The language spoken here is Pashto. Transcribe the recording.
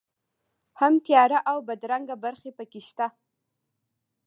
هم تیاره او بدرنګه برخې په کې شته.